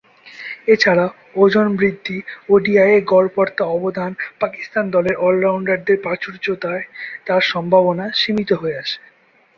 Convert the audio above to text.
এছাড়াও, ওজন বৃদ্ধি, ওডিআইয়ে গড়পড়তা অবদান, পাকিস্তান দলে অল-রাউন্ডারদের প্রাচুর্যতায় তার সম্ভাবনা সীমিত হয়ে আসে।